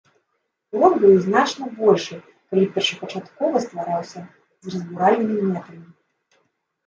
Урон быў бы значна большы, калі б першапачаткова ствараўся з разбуральнымі мэтамі.